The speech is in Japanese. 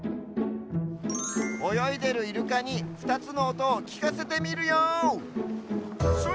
およいでるイルカに２つのおとをきかせてみるよ！